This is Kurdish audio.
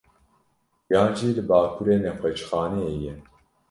Yan jî li bakurê nexweşxaneyê ye.